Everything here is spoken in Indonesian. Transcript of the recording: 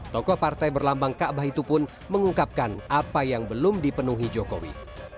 tokoh partai berlambang kaabah itu pun mengungkapkan apa yang belum dipenuhi jokowi